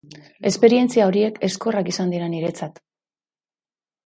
Esperientzia horiek ezkorrak izan dira niretzat.